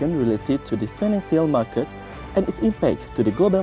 terkait pasar finansial dan kesan pada pasar global